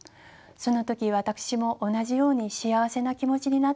その時私も同じように幸せな気持ちになったのです。